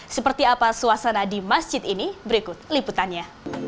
seperti apa suasana di masjid ini berikut liputannya